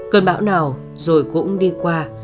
cơn bão nào rồi cũng đi qua